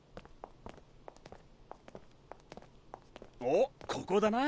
おっここだな。